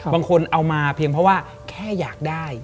บางคนเอามาเพียงเพราะว่าแค่อยากได้